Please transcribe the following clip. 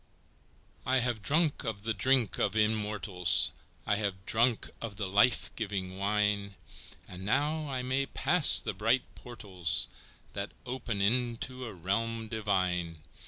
VI. I have drunk of the drink of immortals, I have drunk of the life giving wine, And now I may pass the bright portals That open into a realm divine!